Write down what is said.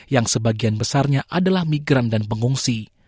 yang sebagian besarnya adalah migran dan pengungsi